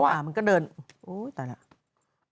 มันก็เดินโอ้ยตายแล้ว